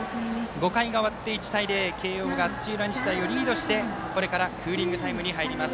５回が終わって、１対０、慶応が土浦日大をリードしてこれからクーリングタイムに入ります。